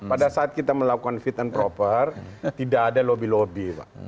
pada saat kita melakukan fit and proper tidak ada lobby lobby